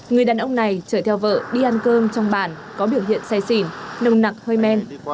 người đàn ông này chở theo vợ đi ăn cơm trong bản có biểu hiện say xỉn nồng nặc hơi men